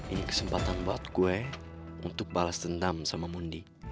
ini kesempatan buat gue untuk balas dendam sama mundi